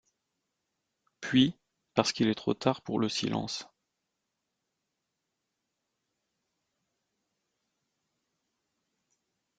«Puis, parce qu’il est trop tard pour le silence.